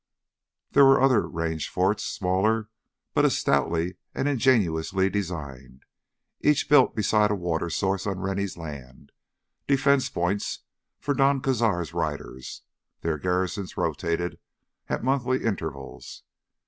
There were other Range forts, smaller, but as stoutly and ingeniously designed, each built beside a water source on Rennie land—defense points for Don Cazar's riders, their garrisons rotated at monthly intervals.